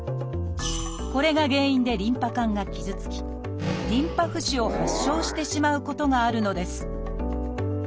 これが原因でリンパ管が傷つきリンパ浮腫を発症してしまうことがあるのです。